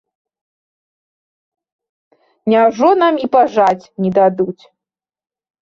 Няўжо нам і пажаць не дадуць?